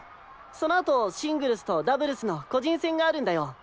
そのあとシングルスとダブルスの個人戦があるんだよ。